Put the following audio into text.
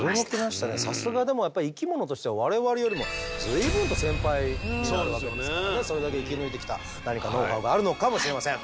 さすがでもやっぱり生き物としては我々よりも随分と先輩になるわけですからねそれだけ生き抜いてきた何かノウハウがあるのかもしれません。